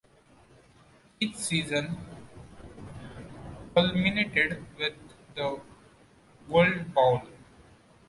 Each season culminated with the World Bowl.